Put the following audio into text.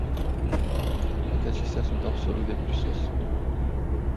Toate acestea sunt absolut de prisos.